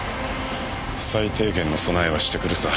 最低限の備えはしてくるさ。